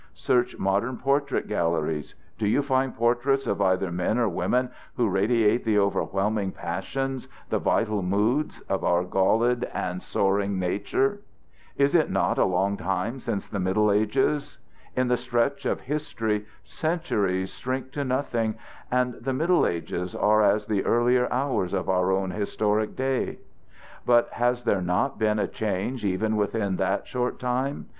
Search modern portrait galleries. Do you find portraits of either men or women who radiate the overwhelming passions, the vital moods, of our galled and soaring nature? It is not a long time since the Middle Ages. In the stretch of history centuries shrink to nothing, and the Middle Ages are as the earlier hours of our own historic day. But has there not been a change even within that short time?